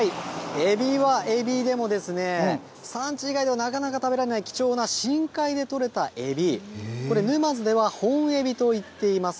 エビはエビでも、産地以外ではなかなか食べられない貴重な深海で取れたエビ、これ沼津では本エビと言っています。